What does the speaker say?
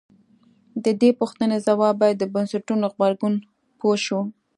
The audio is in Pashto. د دې پوښتنې ځواب باید د بنسټونو غبرګون پوه شو.